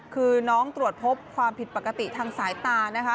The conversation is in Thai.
คือน้องตรวจพบความผิดปกติทางสายตานะคะ